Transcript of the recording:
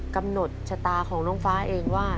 กำหนดชะตาของน้องฟ้าเองว่า